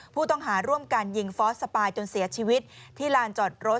ผู้ต้องหาร่วมกันยิงฟอสสปายจนเสียชีวิตที่ลานจอดรถ